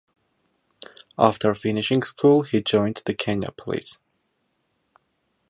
After finishing school, he joined the Kenya Police.